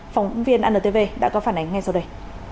phóng viên antv đã có phản ánh ngay sau đây